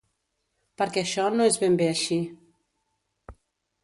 Perquè això no és ben bé així.